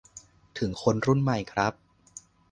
ถึงคนรุ่นใหม่ครับ